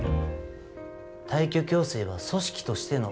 退去強制は組織としての決定です。